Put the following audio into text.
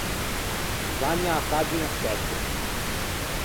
Vanni a-a pagina sette.